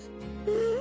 うん！